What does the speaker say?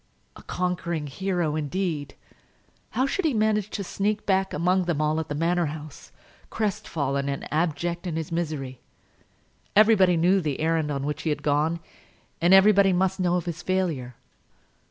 A conquering hero, indeed! How should he manage to sneak back among them all at the Manor House, crestfallen and abject in his misery? Everybody knew the errand on which he had gone, and everybody must know of his failure.